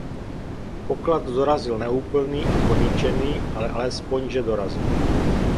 Poklad dorazil neúplný a poničený, ale alespoň že dorazil.